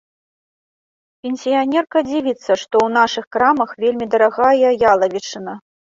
Пенсіянерка дзівіцца, што ў нашых крамах вельмі дарагая ялавічына.